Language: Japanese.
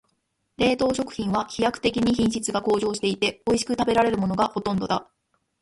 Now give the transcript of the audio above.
冷凍食品は飛躍的に品質が向上していて、おいしく食べられるものがほとんどだ。